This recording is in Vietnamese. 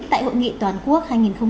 tại hội nghị toàn quốc hai nghìn hai mươi bốn